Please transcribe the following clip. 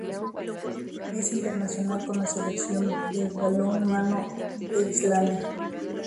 Es internacional con la selección de balonmano de Islandia.